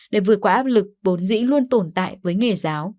để vượt qua áp lực vốn dĩ luôn tồn tại với nghề giáo